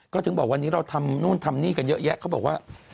ก็ถึงบอกวันนี้เราทำนู่นทำนี่กันเยอะแยะเขาบอกว่า